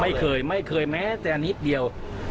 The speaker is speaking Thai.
ไม่เคยไม่เคยแม้แต่นิดเดียว